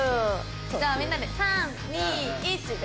じゃあみんなで「３２１」で。